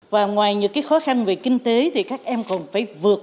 và ngoài những khó khăn về kinh tế thì các em còn phải vượt